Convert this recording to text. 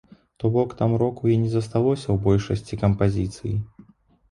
То бок там року і не засталося ў большасці кампазіцый.